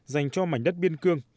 dành cho mảnh đất biên cương